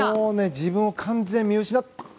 自分を完全に見失って。